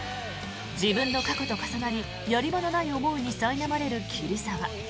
自分の過去と重なりやり場のない思いにさいなまれる桐沢。